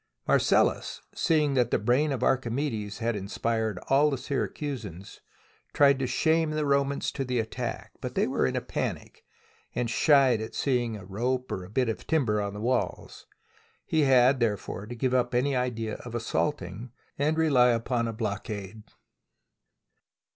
Marcellus, seeing that the brain of Archimedes had inspired all the Syracusans, tried to shame the Romans to the attack, but they were in a panic, and shied at seeing a rope or bit of timber on the walls. He had, therefore, to give up any idea of as saulting, and rely upon a blockade.